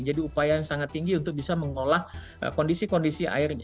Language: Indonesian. jadi upaya yang sangat tinggi untuk bisa mengolah kondisi kondisi air